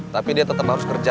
tapi dia tetap harus kerja